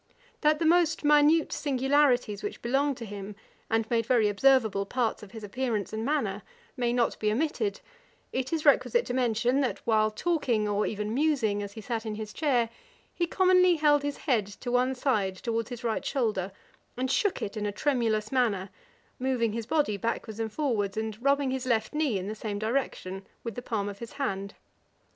[Page 486: Illness of Joshua Reynolds. A.D. 1765.] That the most minute singularities which belonged to him, and made very observable parts of his appearance and manner, may not be omitted, it is requisite to mention, that while talking or even musing as he sat in his chair, he commonly held his head to one side towards his right shoulder, and shook it in a tremulous manner, moving his body backwards and forwards, and rubbing his left knee in the same direction, with the palm of his hand.